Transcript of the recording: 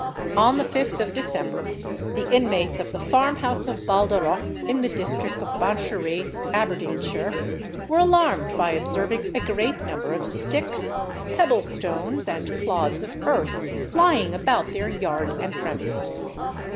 On the 5th of December, the inmates of the farm house of Baldarroch, in the district of Banchory, Aberdeenshire, were alarmed by observing a great number of sticks, pebble stones, and clods of earth flying about their yard and premises.